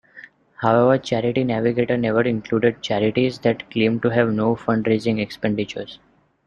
However, Charity Navigator never included charities that claim to have no fundraising expenditures.